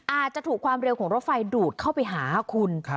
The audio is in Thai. อาจจะถูกความเร็วของรถไฟดูดเข้าไปหาคุณ